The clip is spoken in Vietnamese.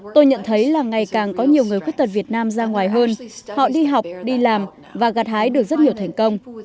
tôi nhận thấy là ngày càng có nhiều người khuyết tật việt nam ra ngoài hơn họ đi học đi làm và gạt hái được rất nhiều thành công